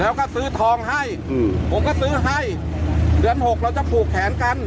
แล้วก็ซื้อทองให้อืมผมก็ซื้อให้เดือนหกเราจะผูกแขนกัน